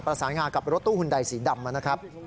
สางากับรถตู้หุ่นใดสีดำนะครับ